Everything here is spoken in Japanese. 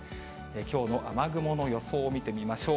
きょうの雨雲の予想を見てみましょう。